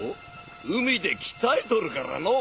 海で鍛えとるからのう。